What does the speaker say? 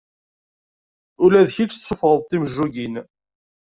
Ula d kečč tessufɣeḍ-d timejjugin.